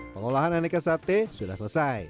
pengolahan aneka sate sudah selesai